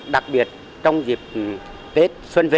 đặc biệt trong dịp tết xuân về